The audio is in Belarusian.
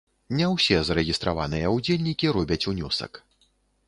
Не ўсе зарэгістраваныя ўдзельнікі робяць унёсак.